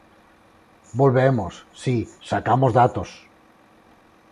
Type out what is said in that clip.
Volvemos, si, sacamos datos.